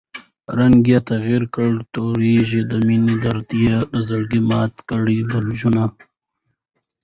رنګ ئې تغير کړی تورېږي، دمېنی درد ئې دزړګي مات کړل برجونه